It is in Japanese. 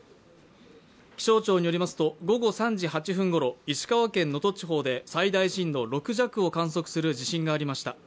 気象庁によりますと、午後３時８分ごろ、石川県能登地方で最大震度６弱を観測する地震がありました。